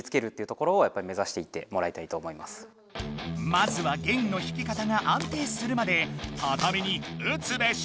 まずは弦の引き方があんていするまでたたみにうつべし！